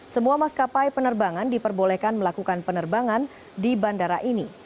semua maskapai penerbangan diperbolehkan melakukan penerbangan di bandara ini